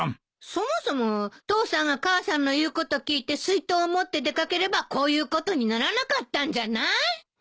そもそも父さんが母さんの言うこと聞いて水筒を持って出掛ければこういうことにならなかったんじゃない？